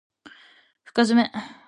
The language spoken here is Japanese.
深爪